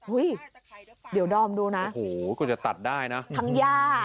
อุ้ยเดี๋ยวด้อมดูนะโอ้โหก็จะตัดได้นะทั้งญาติทั้งตะคาย